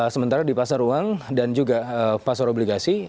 sementara di pasar uang dan juga pasar obligasi